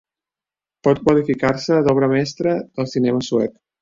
Pot qualificar-se d'obra mestra del cinema suec.